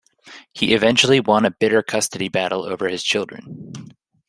He eventually won a bitter custody battle over his children.